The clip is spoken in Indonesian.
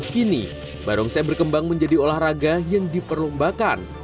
kini barongsai berkembang menjadi olahraga yang diperlombakan